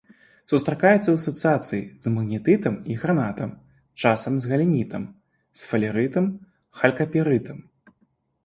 Сустракаецца ў асацыяцыі з магнетытам і гранатам, часам з галенітам, сфалерытам, халькапірытам.